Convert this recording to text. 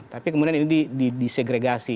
tapi kemudian ini disegregasi